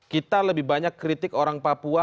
kita lebih banyak kritik orang papua